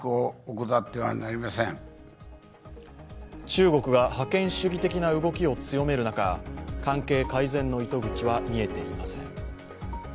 中国が覇権主義的な動きを強める中、関係改善の糸口は見えていません。